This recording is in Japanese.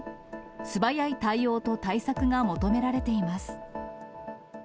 素早い対応と対策が求められています。